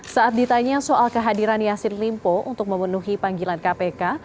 saat ditanya soal kehadiran yassin limpo untuk memenuhi panggilan kpk